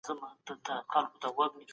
حکومتي ادارو خلګو ته ځواب ورکاوه.